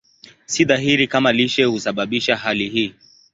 Si dhahiri kama lishe husababisha hali hii.